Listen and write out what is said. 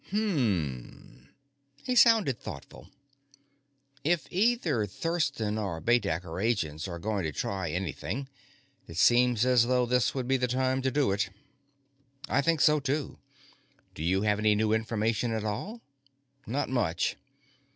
"Hm m m." He sounded thoughtful. "If either Thurston or Baedecker agents are going to try anything, it seems as though this would be the time to do it." "I think so, too. Do you have any new information at all?" "Not much.